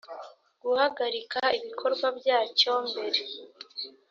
guhagarika ibikorwa byacyo mbere